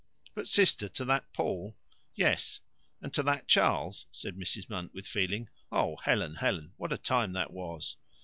"But sister to that Paul?" "Yes." "And to that Charles," said Mrs. Munt with feeling. "Oh, Helen, Helen, what a time that was!"